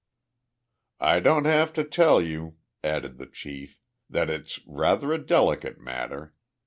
"I don't have to tell you," added the chief, "that it's rather a delicate matter.